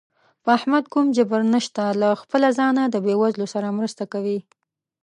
په احمد کوم جبر نشته، له خپله ځانه د بېوزلو سره مرسته کوي.